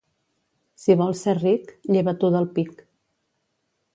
Si vols ser ric, lleva-t'ho del «pic».